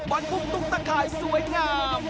บอลทุกต้นข่ายสวยงาม